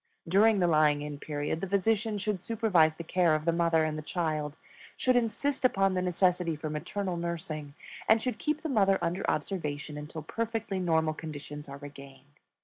During the lying in period the physician should supervise the care of the mother and the child, should insist upon the necessity for maternal nursing, and should keep the mother under observation until perfectly normal conditions are regained.